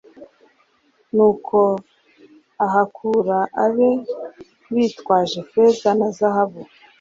Nuko ahakura abe bitwaje feza na zahabu